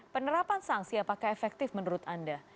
penerapan sanksi apakah efektif menurut anda